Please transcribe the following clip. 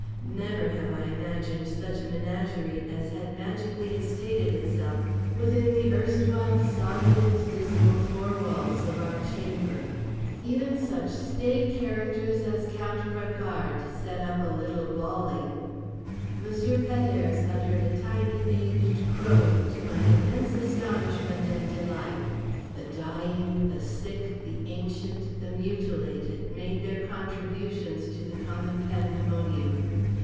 Never have I imagined such a menagerie as had magically instated itself within the erstwhile soggy and dismal four walls of our chamber. Even such staid characters as Count Bragard set up a little bawling. Monsieur Pet airs uttered a tiny aged crowing to my immense astonishment and delight. The dying, the sick, the ancient, the mutilated, made their contributions to the common pandemonium.